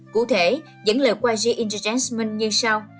cụ thể dẫn lời yg entertainment như sau